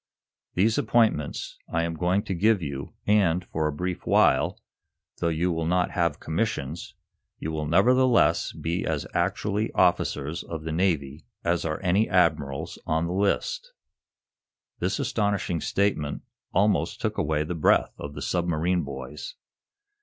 These appointments I am going to give and, for a brief while, though you will not have commissions, you will nevertheless be as actually officers of the Navy as are any admirals on the list." This astonishing statement almost took away the breath of the submarine boys.